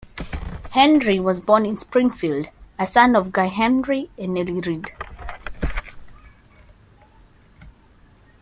Henry was born in Springfield, a son of Guy Henry and Nellie Reed.